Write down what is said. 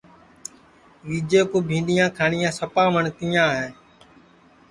وجئے کُو بھینٚڈؔیاں کھاٹؔیاں سپا نائی وٹؔتیاں ہے